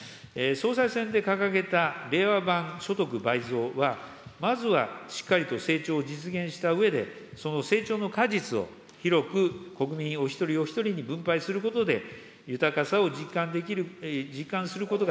総裁選で掲げた令和版所得倍増は、まずはしっかりと成長を実現したうえで、その成長の果実を広く国民お一人お一人に分配することで、